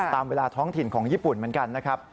ตามเวลาท้องถิ่นของญี่ปุ่นเหมือนกันนะครับ